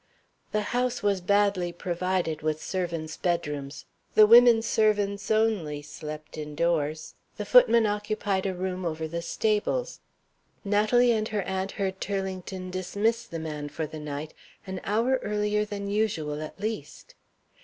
The house was badly provided with servants' bedrooms. The women servants only slept indoors. The footman occupied a room over the stables. Natalie and her aunt heard Turlington dismiss the man for the night, an hour earlier than usual at least.